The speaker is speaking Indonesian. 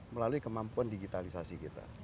melalui kemampuan digitalisasi kita